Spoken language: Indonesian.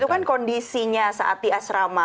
itu kan kondisinya saat di asrama